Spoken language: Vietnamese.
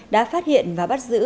đã phát hiện và bắt giữ